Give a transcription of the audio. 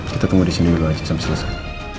kita tunggu disini dulu aja sampe selesai